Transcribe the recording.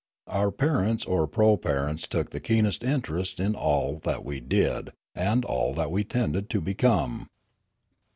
Our parents or proparents took the keenest interest in all that we did and all that we tended to become.